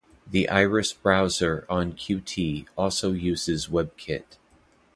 The Iris Browser on Qt also uses WebKit.